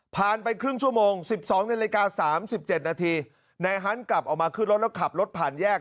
ไปครึ่งชั่วโมง๑๒นาฬิกา๓๗นาทีนายฮันต์กลับออกมาขึ้นรถแล้วขับรถผ่านแยก